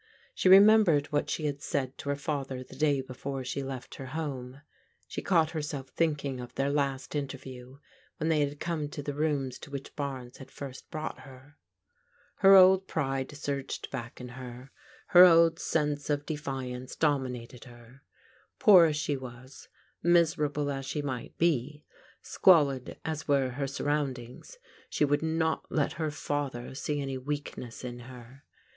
She remembered what she had said to her father the day before she left her home. She caught herself thinking of their last interview, when they had come to the rooms to which Barnes had first brought her. Her old pride surged back in her. Her old sense of defiance dominated her. Poor as she was, miserable as she might be, squalid as were her surroundings, she would not let her father see any weakness in her.